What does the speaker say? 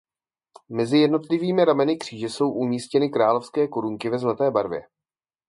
Mezi jednotlivými rameny kříže jsou umístěny královské korunky ve zlaté barvě.